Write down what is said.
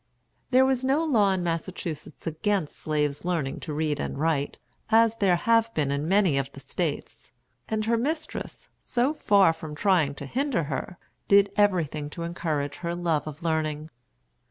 There was no law in Massachusetts against slaves learning to read and write, as there have been in many of the States; and her mistress, so far from trying to hinder her, did everything to encourage her love of learning.